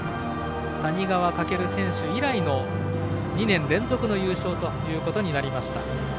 谷川翔選手以来の２年連続の優勝となりました。